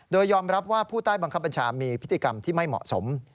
โดยยอมรับว่าผู้ใต้บังคับบัญชามีพฤติกรรมที่ไม่เหมาะสม